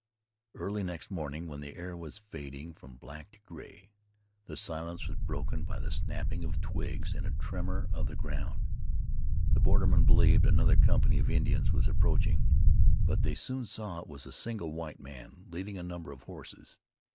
Early next morning, when the air was fading from black to gray, the silence was broken by the snapping of twigs and a tremor of the ground. The bordermen believed another company of Indians was approaching; but they soon saw it was a single white man leading a number of horses.